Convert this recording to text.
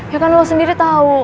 ya kan lo sendiri tau